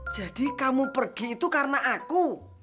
jadi kamu pergi itu karena aku